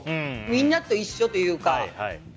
みんなと一緒というか。